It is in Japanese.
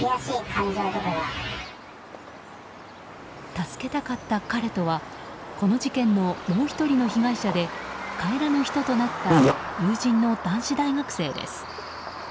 助けたかった彼とはこの事件のもう１人の被害者で帰らぬ人となった友人の男子大学生です。